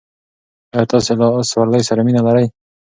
ایا تاسې له اس سورلۍ سره مینه لرئ؟